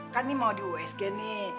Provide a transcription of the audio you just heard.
kan ini mau di usg nih